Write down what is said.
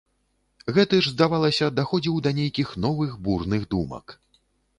Гэты ж, здавалася, даходзіў да нейкіх новых бурных думак.